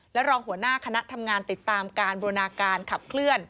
และรองเหวือนาขณะทำงานติดตามการบรินาการขัดเข๑๙๔๓